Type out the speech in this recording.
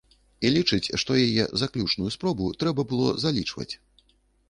І лічыць, што яе заключную спробу трэба было залічваць.